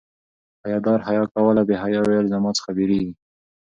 حیا دار حیا کوله بې حیا ویل زما څخه بيریږي